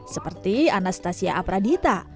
seperti anastasia aparadita